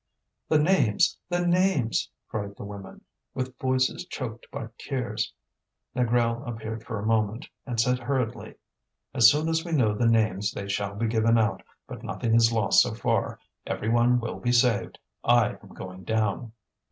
"The names! the names!" cried the women, with voices choked by tears. Négrel appeared for a moment, and said hurriedly: "As soon as we know the names they shall be given out, but nothing is lost so far: every one will be saved. I am going down."